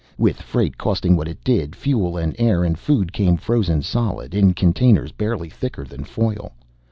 With freight costing what it did, fuel and air and food came frozen solid, in containers barely thicker than foil.